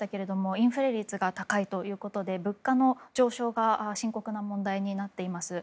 インフレ率が高いということで物価の上昇が深刻な問題になっています。